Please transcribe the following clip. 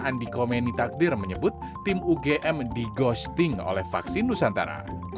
andi komeni takdir menyebut tim ugm di ghosting oleh vaksin nusantara